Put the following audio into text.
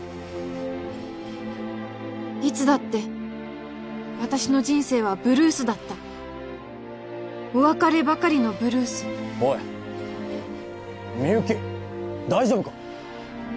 いつだって私の人生はブルースだったお別ればかりのブルースおいみゆき大丈夫か？